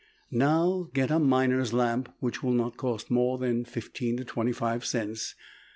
Now get a miner's lamp, which will not cost more than from fifteen to twenty five cents.